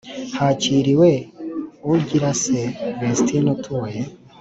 Hakiriwe ugirase vestine utuye